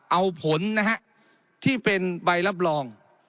เอาผลนะฮะที่เป็นใบรับรอง